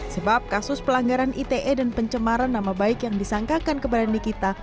sebab kasus pelanggaran ite dan pencemaran nama baik yang disangkakan kepada nikita